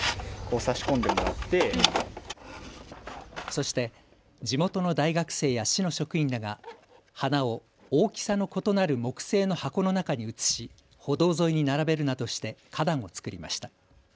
そして地元の大学生や市の職員らが花を大きさの異なる木製の箱の中に移し歩道沿いに並べるなどして花壇を作りました。